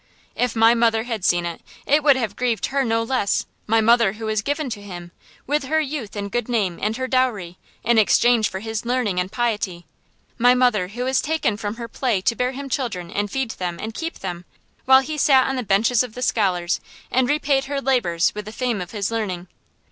If my mother had seen it, it would have grieved her no less my mother who was given to him, with her youth and good name and her dowry, in exchange for his learning and piety; my mother who was taken from her play to bear him children and feed them and keep them, while he sat on the benches of the scholars and repaid her labors with the fame of his learning.